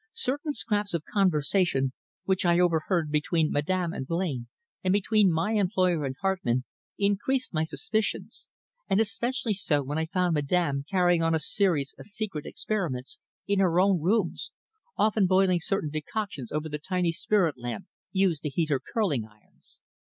Certain scraps of conversation which I overheard between Madame and Blain, and between my employer and Hartmann, increased my suspicions, and especially so when I found Madame carrying on a series of secret experiments in her own rooms, often boiling certain decoctions over the tiny spirit lamp used to heat her curling irons.